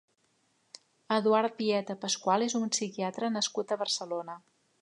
Eduard Vieta Pascual és un psiquiatre nascut a Barcelona.